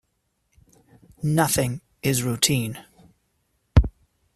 Nothing is routine.